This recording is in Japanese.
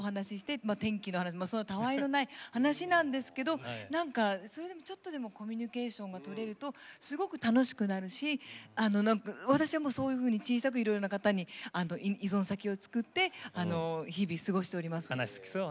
天気とかたあいもない話なんですけどなんか、それでもちょっとでもコミュニケーションがとれるとすごく楽しくなるし私は、そういうふうに小さくいろいろな方に依存先を作って日々、すごしております。